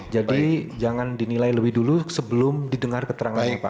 jadi jangan dinilai lebih dulu sebelum didengar keterangannya pak